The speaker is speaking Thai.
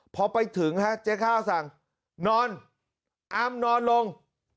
พอไปถึงฮะเจ๊ข้าวสั่งนอนอามนอนลง